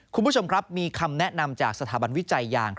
คุณผู้ชมครับมีคำแนะนำจากสถาบันวิจัยยาง